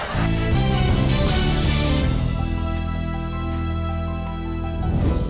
ไม่รู้ครับ